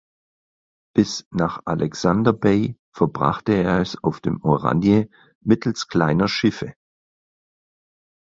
Bis nach Alexander Bay verbrachte er es auf dem Oranje mittels kleiner Schiffe.